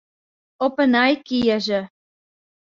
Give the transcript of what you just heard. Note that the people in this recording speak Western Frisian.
Op 'e nij kieze.